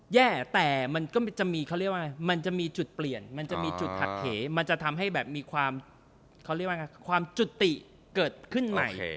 แย่แต่มันจะมีจุดเปลี่ยนมันจะมีจุดผลัดเหมันจะทำให้มีความจุติเกิดขึ้นใหม่